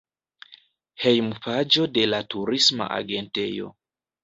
Hejmpaĝo de la turisma agentejo.